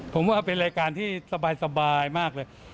ผมว่าเป็นรายการที่สบายมากเลย